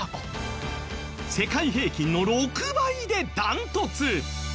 世界平均の６倍でダントツ。